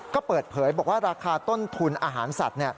ก็เปิดเผยบอกว่าราคาต้นทุนอาหารสัตว์